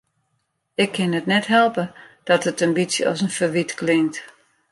Ik kin it net helpe dat it in bytsje as in ferwyt klinkt.